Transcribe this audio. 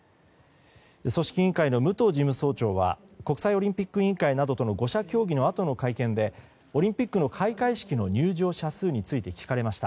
組織委員会の武藤事務総長は国際オリンピック委員会などとの５者協議のあとの会見でオリンピックの開会式の入場者数について聞かれました。